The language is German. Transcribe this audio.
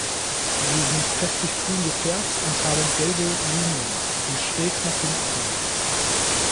Sie sind kräftig grün gefärbt und haben gelbe Linien, die schräg nach hinten verlaufen.